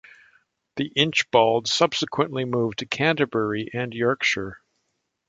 The Inchbalds subsequently moved to Canterbury and Yorkshire.